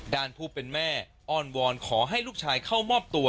ด้านผู้เป็นแม่อ้อนวอนขอให้ลูกชายเข้ามอบตัว